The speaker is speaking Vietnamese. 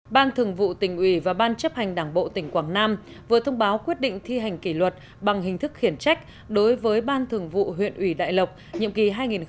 ban thường vụ tỉnh ủy và ban chấp hành đảng bộ tỉnh quảng nam vừa thông báo quyết định thi hành kỷ luật bằng hình thức khiển trách đối với ban thường vụ huyện ủy đại lộc nhiệm kỳ hai nghìn một mươi năm hai nghìn hai mươi